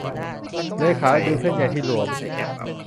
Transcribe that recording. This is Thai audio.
เลขาดึงเส้นใยที่หลวม